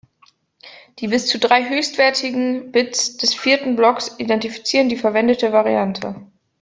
Die bis zu drei höchstwertigen Bits des vierten Blocks identifizieren die verwendete Variante.